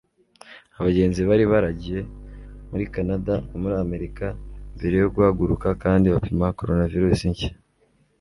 Abagenzi bari baragiye muri Kanada no muri Amerika mbere yo guhaguruka kandi bapima coronavirus nshya